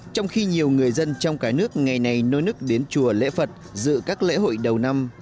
trong khi nhiều người dân trong cả nước ngày này nôi nức đến chùa lễ phật dự các lễ hội đầu năm